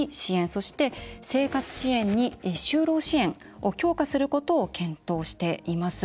そして、生活支援に就労支援を強化することを検討しています。